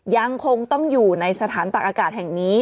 ยังคงต้องอยู่ในสถานตักอากาศแห่งนี้